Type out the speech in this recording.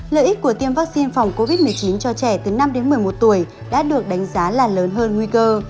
lợi ích của tiêm vaccine phòng covid một mươi chín cho trẻ từ năm đến một mươi một tuổi đã được đánh giá là lớn hơn nguy cơ